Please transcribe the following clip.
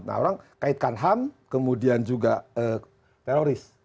nah orang kaitkan ham kemudian juga teroris